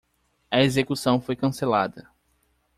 A execução foi cancelada.